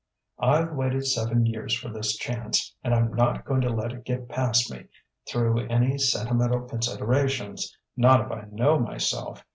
I've waited seven years for this chance, and I'm not going to let it get past me through any sentimental considerations, not if I know myself.